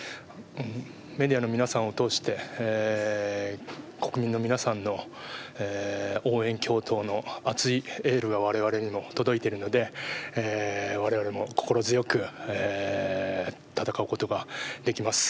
メディアの皆さんを通して国民の皆さんの応援、共闘の熱いエールがわれわれにも届いているのでわれわれも心強く戦うことができます。